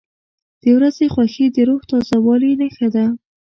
• د ورځې خوښي د روح د تازه والي نښه ده.